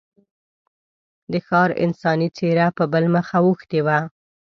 د ښار انساني څېره په بل مخ اوښتې وه.